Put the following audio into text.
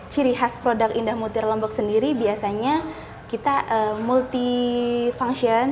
ciri khas produk indah mutiara lombok sendiri biasanya kita multifunction